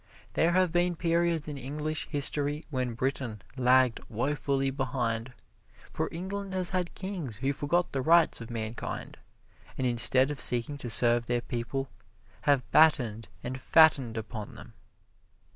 There have been periods in English history when Britain lagged woefully behind, for England has had kings who forgot the rights of mankind, and instead of seeking to serve their people, have battened and fattened upon them.